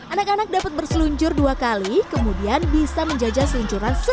anak anak dapat berseluncur dua kali kemudian bisa menjajal seluncuran sepeda listrik